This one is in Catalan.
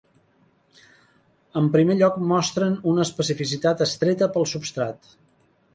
En primer lloc mostren una especificitat estreta pel substrat.